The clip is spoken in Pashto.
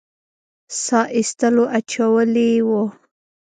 ساه ایستلو اچولي وو.